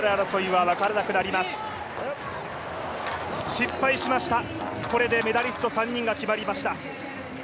失敗しました、これでメダリスト３人が決まりました。